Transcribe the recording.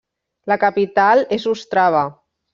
La capital és Ostrava.